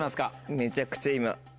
めちゃくちゃ今。